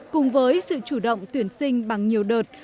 cùng với sự chủ động tuyển sinh bằng nhiều đợt